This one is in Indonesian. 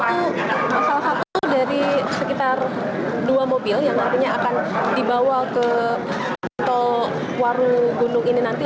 ini adalah salah satu dari sekitar dua mobil yang nantinya akan dibawa ke tol warugunung ini nanti